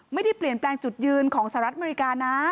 ไม่ได้เปลี่ยนแปลงจุดยืนของสหรัฐอเมริกานะ